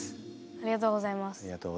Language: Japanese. ありがとうございます。